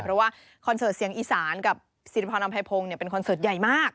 เพราะว่าคอนเสิร์ตเสียงอีสานกับสิริพรอำภัยพงศ์เป็นคอนเสิร์ตใหญ่มาก